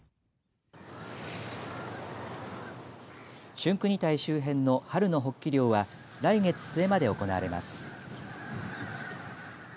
春国岱周辺の春のホッキ漁は来月末まで行われます。